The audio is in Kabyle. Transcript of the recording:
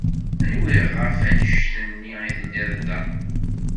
Nwiɣ ɣef wanect-nni i telliḍ da.